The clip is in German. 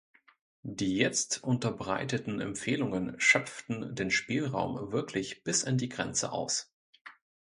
Die jetzt unterbreiteten Empfehlungen schöpften den Spielraum wirklich bis an die Grenze aus.